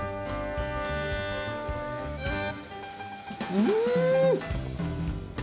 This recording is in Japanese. うん！